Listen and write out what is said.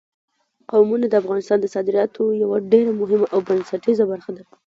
قومونه د افغانستان د صادراتو یوه ډېره مهمه او بنسټیزه برخه ده.